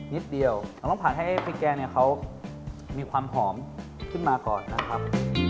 นิดเดียวเราต้องผัดให้พริกแกงเนี่ยเขามีความหอมขึ้นมาก่อนนะครับ